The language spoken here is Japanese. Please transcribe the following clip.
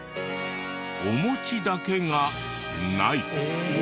お餅だけがない。